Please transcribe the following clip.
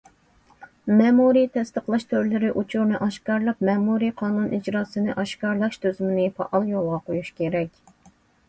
مەمۇرىي تەستىقلاش تۈرلىرى ئۇچۇرنى ئاشكارىلاپ، مەمۇرىي قانۇن ئىجراسىنى ئاشكارىلاش تۈزۈمىنى پائال يولغا قويۇش كېرەك.